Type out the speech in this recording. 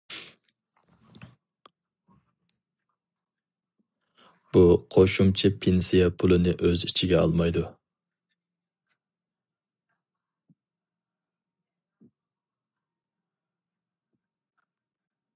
بۇ قوشۇمچە پېنسىيە پۇلىنى ئۆز ئىچىگە ئالمايدۇ.